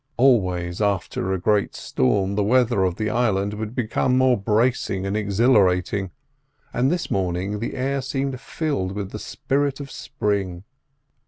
Always after a great storm the weather of the island would become more bracing and exhilarating, and this morning the air seemed filled with the spirit of spring.